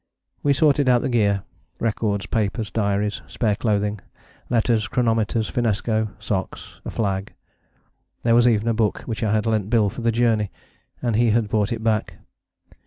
We sorted out the gear, records, papers, diaries, spare clothing, letters, chronometers, finnesko, socks, a flag. There was even a book which I had lent Bill for the journey and he had brought it back.